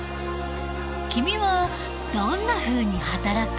君はどんなふうに働く？